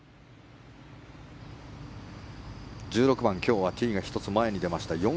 １６番、今日はティーが１つ前に出ました。